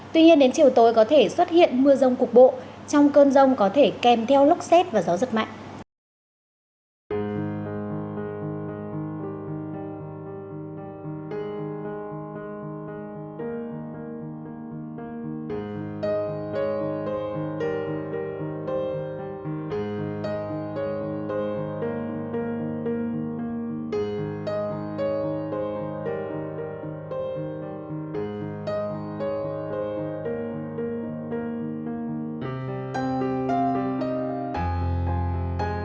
tuy nhiên đến chiều tối có thể xuất hiện mưa rông cục bộ trong cơn rông có thể kèm theo lốc xét và gió rất mạnh